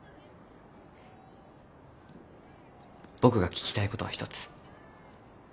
僕が聞きたい事は一つ。